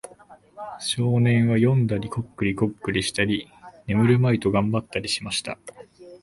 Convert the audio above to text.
少年は読んだり、コックリコックリしたり、眠るまいと頑張ったりしました。